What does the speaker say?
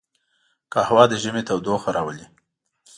قهوه د ژمي تودوخه راولي